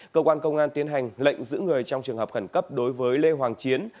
cơ quan công an tiến hành lệnh giữ người trong trường hợp khẩn cấp đối với lê hoàng chiến